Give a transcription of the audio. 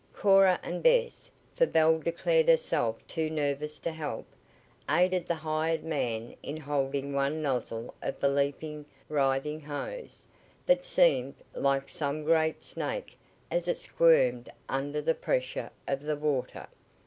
Cora and Bess, for Belle declared herself too nervous to help, aided the hired man in holding one nozzle of the leaping, writhing hose, that seemed like some great snake as it squirmed under the pressure of the water.